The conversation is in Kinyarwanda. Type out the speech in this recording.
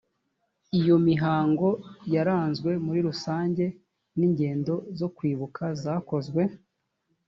iyo mihango yaranzwe muri rusange n ingendo zo kwibuka zakozwe